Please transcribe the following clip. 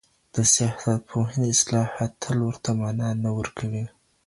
د سياست پوهني اصطلاحات تل ورته مانا نه ورکوي.